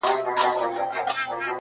سترګې د ټول وجود استازې